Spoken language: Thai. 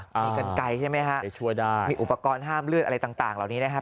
มีกันไกลใช่ไหมฮะไปช่วยได้มีอุปกรณ์ห้ามเลือดอะไรต่างเหล่านี้นะครับ